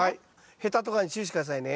ヘタとかに注意して下さいね。